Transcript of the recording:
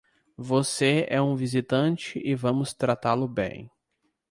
Você é um visitante e vamos tratá-lo bem.